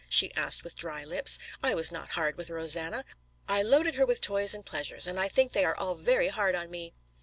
she asked with dry lips. "I was not hard with Rosanna. I loaded her with toys and pleasures, and I think they are all very hard on me."